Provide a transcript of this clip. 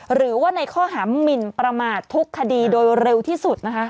หรือว่าในข้อหามินประมาททุกคดีโดยเร็วที่สุดนะคะ